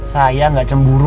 saya gak cemburu